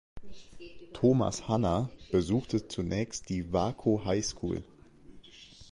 Thomas Hanna besuchte zunächst die Waco High School.